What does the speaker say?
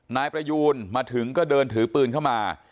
นายประยูนมาถึงก็เดินถือปืนเข้ามา